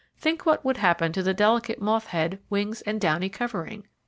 Think what would happen to the delicate moth head, wings, and downy covering!